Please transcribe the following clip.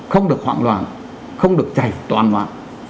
không được hoạng loạn không được chạy toàn loạn